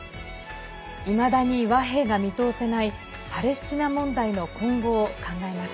いまだに和平が見通せないパレスチナ問題の今後を考えます。